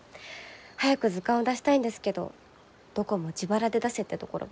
早く図鑑を出したいんですけどどこも自腹で出せってところばかりで。